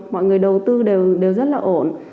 mọi người đầu tư đều rất là ổn